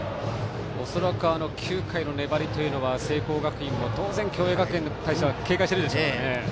恐らく９回の粘りは聖光学院も当然共栄学園に対しては警戒しているでしょうからね。